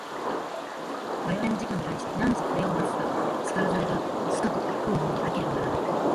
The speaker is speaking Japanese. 我々の自己に対して、汝これを為すか然らざれば死かと問うものでなければならない。